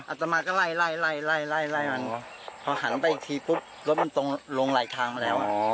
อัตมาก็ไล่พอหันไปอีกทีปุ๊บลดมันตรงลงหลายทางแล้ว